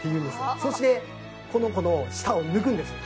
そしてこの子の舌を抜くんです。